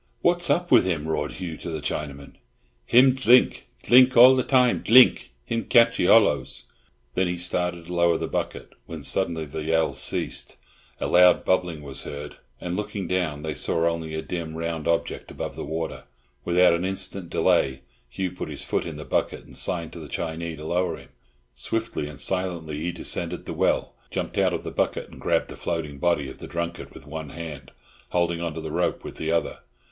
"What's up with him?" roared Hugh to the Chinaman. "Him, dlink, dlink—all a time dlink, him catchee hollows." They had started to lower the bucket, when suddenly the yells ceased, a loud bubbling was heard, and looking down they saw only a dim, round object above the water. Without an instant's delay Hugh put his foot in the bucket and signed to the Chinee to lower him. Swiftly and silently he descended the well, jumped out of the bucket, and grabbed the floating body of the drunkard with one hand, holding on to the rope with the other.